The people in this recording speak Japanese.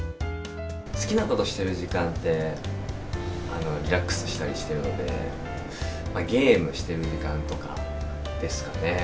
好きなことしてる時間って、リラックスしたりしてるので、ゲームしてる時間とかですかね。